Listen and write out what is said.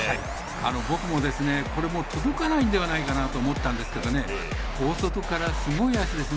僕も届かないんじゃないかなと思ったんですけど大外からすごい脚ですね。